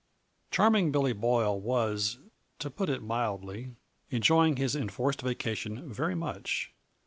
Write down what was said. _" Charming Billy Boyle was, to put it mildly, enjoying his enforced vacation very much.